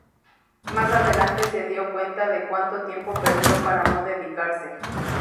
Más adelante se dio cuenta de cuanto tiempo perdió para no dedicarse.